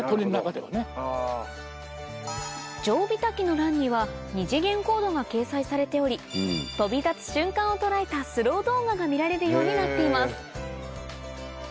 ジョウビタキの欄には二次元コードが掲載されており飛び立つ瞬間を捉えたスロー動画が見られるようになっています